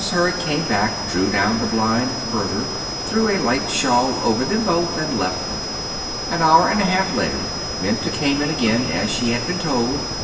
Hurd came back, drew down the blind further, threw a light shawl over them both, and left them. An hour and a half later Minta came in again as she had been told.